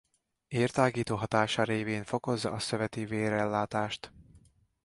Értágító hatása révén fokozza a szöveti vérellátást.